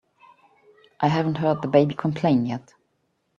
I haven't heard the baby complain yet.